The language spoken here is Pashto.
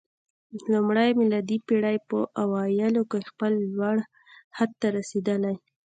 د لومړۍ میلادي پېړۍ په اوایلو کې خپل لوړ حد ته رسېدلی